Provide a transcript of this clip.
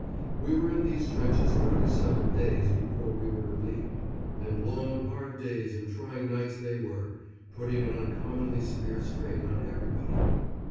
We were in these trenches thirty seven days before we were relieved, and long, hard days and trying nights they were, putting an uncommonly severe strain on everybody.